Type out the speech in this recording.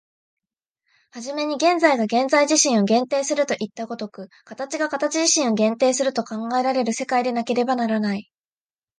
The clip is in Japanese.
始めに現在が現在自身を限定するといった如く、形が形自身を限定すると考えられる世界でなければならない。